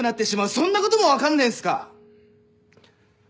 そんなことも分かんねえんすか！